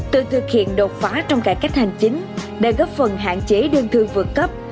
từ thực hiện đột phá trong cải cách hành chính đã góp phần hạn chế đơn thư vượt cấp